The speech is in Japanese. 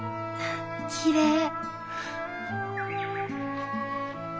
きれい。